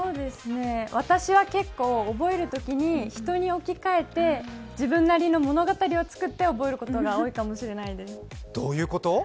私は結構覚えるときに、人に置き換えて自分なりの物語を作って覚えることが多いかもしれないです。